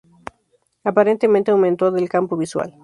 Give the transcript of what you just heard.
Aparente aumento del campo visual.